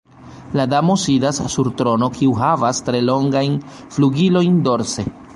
La damo sidas sur trono kiu havas tre longajn flugilojn dorse.